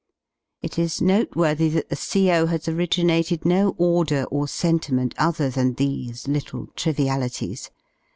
It is noteworthy that the CO. has originated no order or sentiment other than these little trivialities.